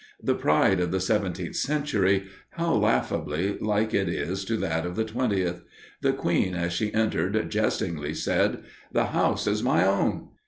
"] The pride of the seventeenth century how laughably like it is to that of the twentieth. The queen as she entered, jestingly said, "The house is my own!"